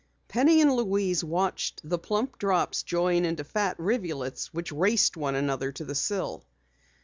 Penny and Louise watched the plump drops join into fat rivulets which raced one another to the sill.